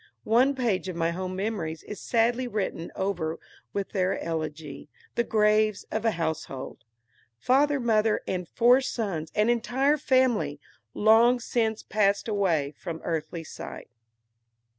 One page of my home memories is sadly written over with their elegy, the "Graves of a Household." Father, mother, and four sons, an entire family, long since passed away from earthly sight.)